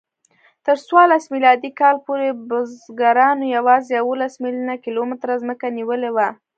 تر څوارلس میلادي کال پورې بزګرانو یواځې یوولس میلیونه کیلومتره ځمکه نیولې وه.